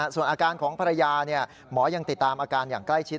ส่วนอาการของภรรยาหมอยังติดตามอาการอย่างใกล้ชิด